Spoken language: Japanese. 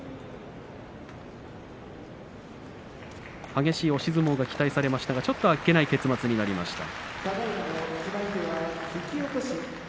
激しい押し相撲が期待されましたけどもちょっとあっけない結末になりました。